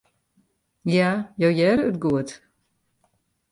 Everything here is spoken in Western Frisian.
Ja, jo hearre it goed.